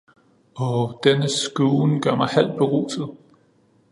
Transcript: Oh, denne skuen gør mig halv beruset!